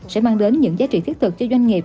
sẽ mang đến những giá trị thiết thực cho doanh nghiệp